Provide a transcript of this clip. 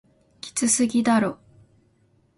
きつすぎだろ